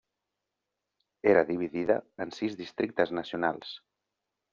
Era dividida en sis districtes nacionals.